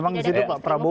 memang disitu pak prabowo